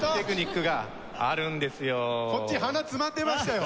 こっち鼻つまんでましたよ。